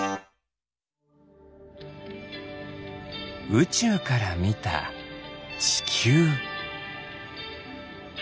うちゅうからみたちきゅう。